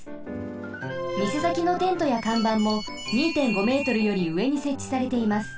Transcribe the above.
みせさきのテントやかんばんも２．５メートルよりうえにせっちされています。